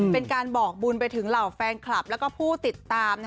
เป็นการบอกบุญไปถึงเหล่าแฟนคลับและผู้ติดตาม